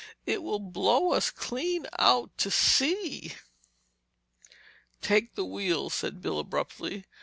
It will blow us clean out to sea!" "Take the wheel!" said Bill abruptly.